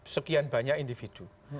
sekian banyak individu